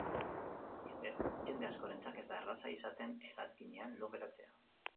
Jende askorentzat ez da erreza izaten hegazkinean lo geratzea.